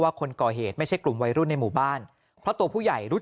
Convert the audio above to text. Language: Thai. คนก่อเหตุไม่ใช่กลุ่มวัยรุ่นในหมู่บ้านเพราะตัวผู้ใหญ่รู้